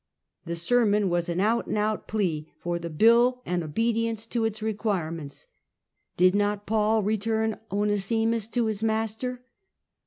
The sermon was an out and out plea for the bill and obedience to its requirements. Did not Paul return Onesimus to his master?